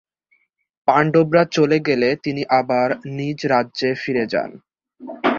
পাণ্ডবরা চলে গেলে তিনি আবার নিজ রাজ্যে ফিরে যান।